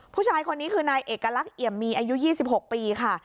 ผู้ชายคนนี้คือนายเอกลักษณ์เอี่ยมมีอายุ๒๖ปีค่ะ